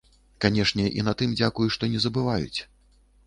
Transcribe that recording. Канешне, і на тым дзякуй, што не забываюць.